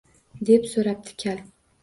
Deb so‘rabdi kal